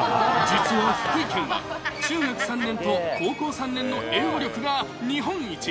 実は福井県は、中学３年と高校３年の英語力が日本一。